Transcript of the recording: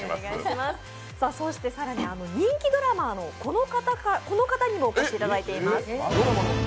更に、人気ドラマのこの方にもお越しいただいています。